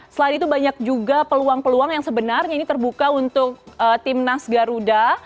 selain itu banyak juga peluang peluang yang sebenarnya ini terbuka untuk timnas garuda